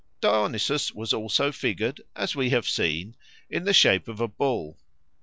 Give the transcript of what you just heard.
Dionysus was also figured, as we have seen, in the shape of a bull.